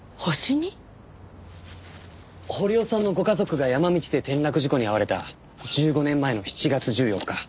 堀尾さんのご家族が山道で転落事故に遭われた１５年前の７月１４日。